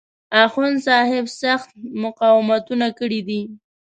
اخوندصاحب سخت مقاومتونه کړي دي.